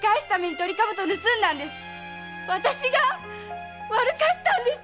あたしが悪かったんです！